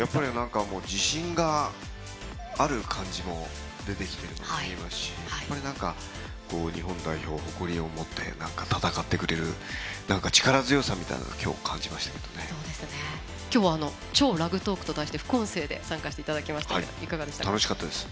自信がある感じも出ていますし日本代表、誇りを持って戦ってくれる力強さみたいなのを今日は「超ラグトーク！」と題して、副音声で参加していただきましたが楽しかったです。